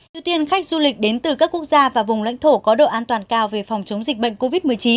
ưu tiên khách du lịch đến từ các quốc gia và vùng lãnh thổ có độ an toàn cao về phòng chống dịch bệnh covid một mươi chín